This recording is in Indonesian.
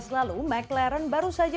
lalu mclaren baru saja